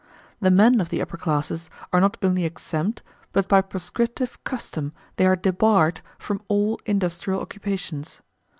The men of the upper classes are not only exempt, but by prescriptive custom they are debarred, from all industrial occupations.